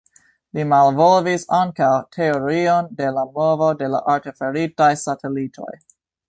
Li malvolvis ankaŭ teorion de la movo de la artefaritaj satelitoj.